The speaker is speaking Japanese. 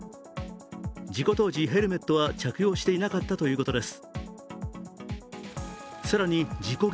事故当時、ヘルメットは着用していなかったということです。